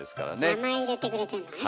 名前入れてくれてんのね。